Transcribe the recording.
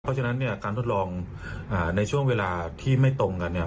เพราะฉะนั้นเนี่ยการทดลองในช่วงเวลาที่ไม่ตรงกันเนี่ย